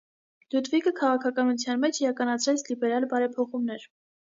Լյուդվիգը քաղաքականության մեջ իրականացրեց լիբերալ բարեփոխումներ։